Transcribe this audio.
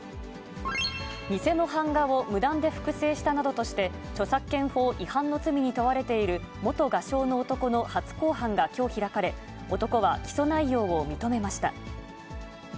偽の版画を無断で複製したなどとして、著作権法違反の罪に問われている元画商の男の初公判がきょう開かれ、男は起訴内容を認めました。